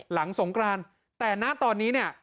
หลังสงกรานแต่ณตอนนี้เนี่ย